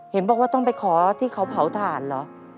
เห็นบอกว่าต้องไปขอที่เขาเผาถ่านเหรอ